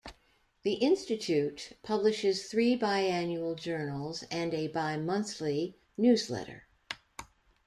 The institute publishes three bi-annual journals and a bi-monthly newsletter.